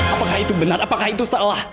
apakah itu benar apakah itu salah